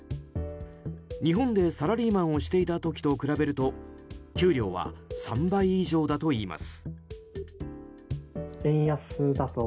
日本でサラリーマンをしていた時と比べると給料は３倍以上だといいます。